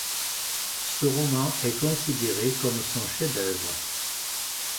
Ce roman est considéré comme son chef-d'œuvre.